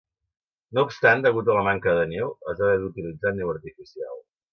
No obstant, degut a la manca de neu, es va haver d'utilitzar neu artificial.